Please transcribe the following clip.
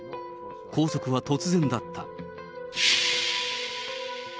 拘束は突然だった。